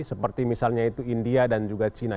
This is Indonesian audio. seperti misalnya itu india dan juga china